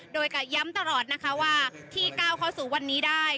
โดยกับย้ำตลอดนะคะว่าที่ก้าวเข้าสู่วันนี้ได้